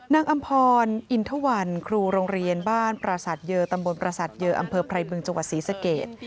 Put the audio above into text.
อำพรอินทวันครูโรงเรียนบ้านประสาทเยอตำบลประสาทเยออำเภอไรบึงจังหวัดศรีสเกต